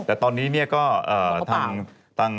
แต่ตอนนี้เนี่ยก็ก็ปำเปล่า